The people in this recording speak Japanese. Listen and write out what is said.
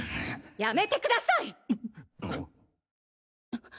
やめてくださいっ！